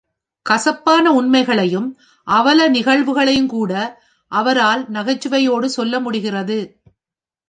கசப்பான உண்மைகளையும் அவலநிகழ்வுகளையுங்கூட அவரால் நகைச்சுவையோடு சொல்ல முடிகிறது.